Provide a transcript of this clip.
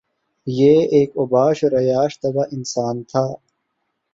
یہ ایک اوباش اور عیاش طبع انسان تھا